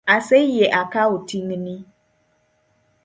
Aseyie akawo ting’ni